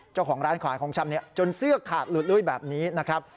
เจ้าของร้านขายของชำจนเสื้อขาดหลุดลุ้ยแบบนี้นะครับ